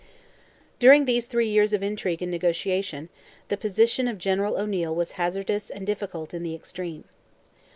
During these three years of intrigue and negotiation, the position of General O'Neil was hazardous and difficult in the extreme.